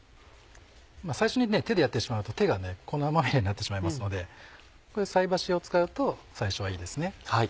最初に手でやってしまうと手が粉まみれになってしまいますのでこういう菜箸を使うと最初はいいですね。